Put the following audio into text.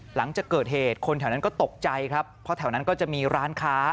หลังจากเกิดเหตุคนแถวนั้นก็ตกใจครับเพราะแถวนั้นก็จะมีร้านค้า